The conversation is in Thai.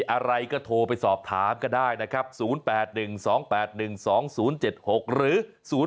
อะไรก็โทรไปสอบถามก็ได้นะครับ๐๘๑๒๘๑๒๐๗๖หรือ๐๘